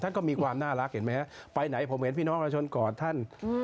ท่านก็มีความน่ารักเห็นไหมฮะไปไหนผมเห็นพี่น้องประชาชนกอดท่าน